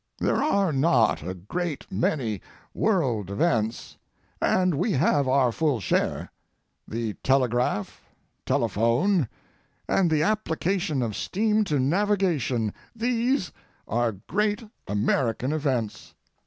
There are not a great many world events, and we have our full share. The telegraph, telephone, and the application of steam to navigation—these are great American events.